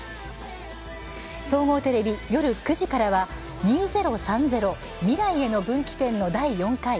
総合テレビ夜９時からは「２０３０未来への分岐点」の第４回。